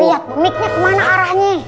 lihat mic nya kemana arahnya